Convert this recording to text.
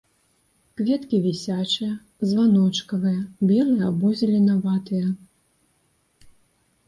Кветкі вісячыя, званочкавыя, белыя або зеленаватыя.